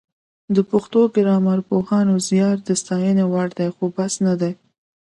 د پښتو ګرامرپوهانو زیار د ستاینې وړ دی خو بس نه دی